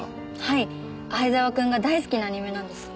藍沢くんが大好きなアニメなんです。